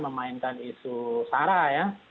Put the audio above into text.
memainkan isu sara ya